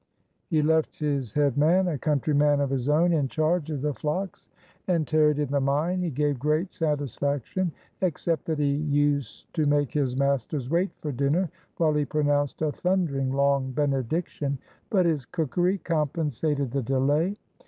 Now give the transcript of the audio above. He left his head man, a countryman of his own, in charge of the flocks, and tarried in the mine. He gave great satisfaction, except that he used to make his masters wait for dinner while he pronounced a thundering long benediction; but his cookery compensated the delay.